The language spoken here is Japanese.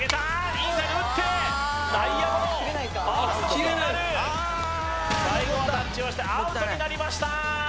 インサイド打って内野ゴロファーストゴロになる最後はタッチをしてアウトになりました